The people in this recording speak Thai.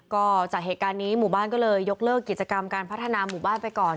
ก็จากเหตุการณ์นี้หมู่บ้านก็เลยยกเลิกกิจกรรมการพัฒนาหมู่บ้านไปก่อน